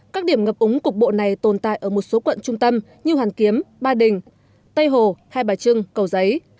các điểm ngập úng cục bộ này tồn tại ở một số quận trung tâm như hoàn kiếm ba đình tây hồ hai bà trưng cầu giấy